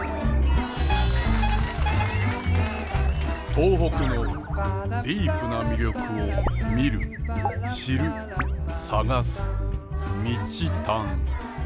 東北のディープな魅力を見る知る探す「みちたん」。